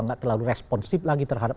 nggak terlalu responsif lagi terhadap